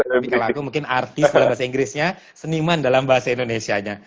tapi kalau aku mungkin artis dalam bahasa inggrisnya seniman dalam bahasa indonesia nya